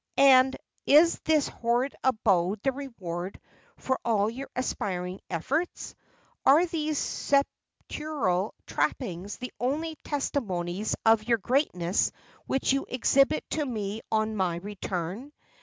and is this horrid abode the reward for all your aspiring efforts? Are these sepulchral trappings the only testimonies of your greatness which you exhibit to me on my return?